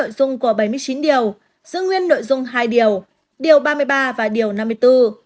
ủy ban thường vụ quốc hội đã chỉ đạo trình lý nội dung của bảy mươi chín điều giữ nguyên nội dung hai điều điều ba mươi ba và điều năm mươi bốn